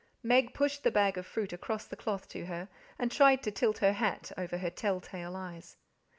Meg pushed the bag of fruit across the cloth to her, and tried to tilt her hat over her tell tale eyes.